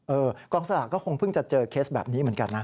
กองสลากก็คงเพิ่งจะเจอเคสแบบนี้เหมือนกันนะ